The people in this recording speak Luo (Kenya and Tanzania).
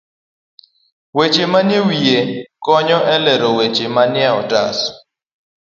Weche manie wiye konyo e lero weche manie otas.